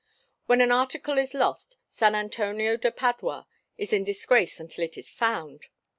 When an article is lost San Antonio de Padua is in disgrace until it is found.